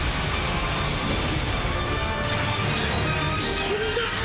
そんな！